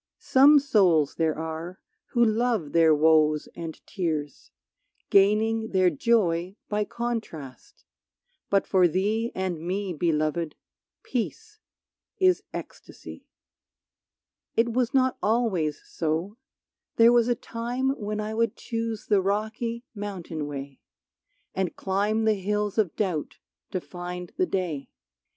Some souls there are who love their woes and tears, Gaining their joy by contrast, but for thee And me, Beloved, peace is ecstasy. It was not always so, there was a time When I would choose the rocky mountain way, And climb the hills of doubt to find the day.